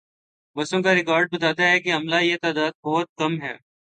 بسوں کا ریکارڈ بتاتا ہے کہ عملا یہ تعداد بہت کم ہے۔